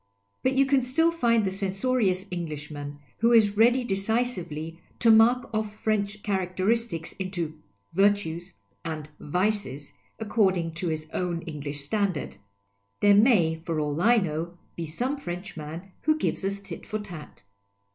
But you can still find the censorious Englishman who is ready deci sively to mark off French characteristics into " virtues " and " vices," according to his own English standard. There may, for all I know, be some Frenchman who gives us tit for tat.